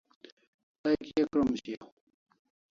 Tay Kia krom shiaw?